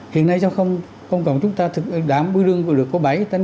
hiện nay trong công cộng chúng ta đảm bưu lương của lượng có bảy tám